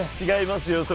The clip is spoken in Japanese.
違いますよ。